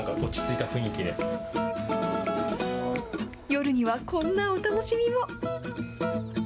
夜にはこんなお楽しみも。